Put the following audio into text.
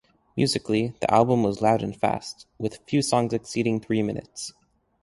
Musically, the album was loud and fast, with few songs exceeding three minutes.